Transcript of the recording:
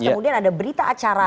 kemudian ada berita acara